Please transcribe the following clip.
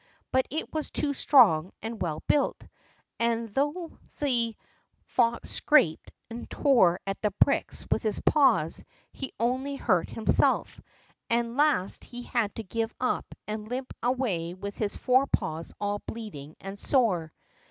But it was too strong and well built; and though the fox scraped and tore at the bricks with his paws he only hurt himself, and at last he had to give it up and limp away with his fore paws all bleeding and sore.